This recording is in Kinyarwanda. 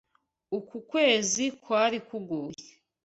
Uku kwezi kwari kugoye.